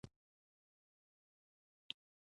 هغه افغانستان ته تښتېدلی وو.